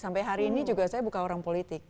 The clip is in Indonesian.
sampai hari ini juga saya bukan orang politik